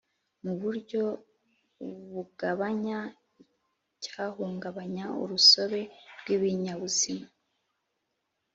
mu buryo bugabanya icyahungabanya urusobe rwibinyabuzima